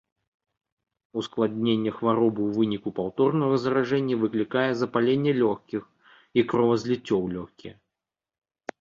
Ускладненне хваробы ў выніку паўторнага заражэння выклікае запаленне лёгкіх і кровазліццё ў лёгкія.